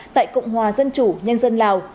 tại cộng hòa dân chủ nhân dân lào